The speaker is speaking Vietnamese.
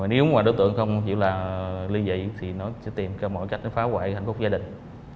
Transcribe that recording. nếu đối tượng không chịu liên dị thì nó sẽ tìm mọi cách phá hoại hạnh phúc gia đình